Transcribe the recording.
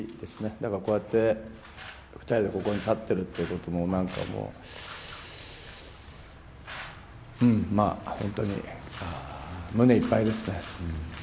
だからこうやって２人でここに立ってるってことも、やっぱりもう、まあ、本当に胸いっぱいですね。